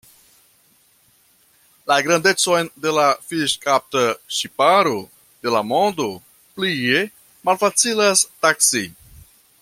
La grandecon de la fiŝkapta ŝiparo de la mondo plie malfacilas taksi.